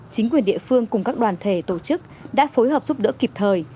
chính quyền địa phương cùng các đoàn thể tổ chức đã phối hợp giúp đỡ kịp thời